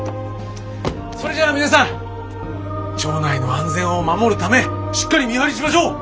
それじゃあ皆さん町内の安全を守るためしっかり見張りしましょう！